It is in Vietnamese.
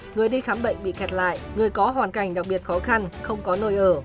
người đi khám bệnh bị kẹt lại người có hoàn cảnh đặc biệt khó khăn không có nơi ở